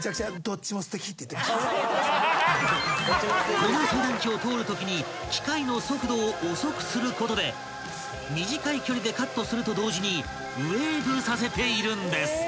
［このさい断機を通るときに機械の速度を遅くすることで短い距離でカットすると同時にウェーブさせているんです］